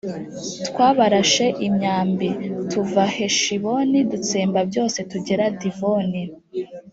twabarashe imyambi; tuva heshiboni dutsemba byose tugera divoni.